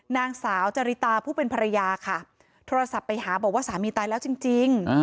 นางสาวจริตาผู้เป็นภรรยาค่ะโทรศัพท์ไปหาบอกว่าสามีตายแล้วจริง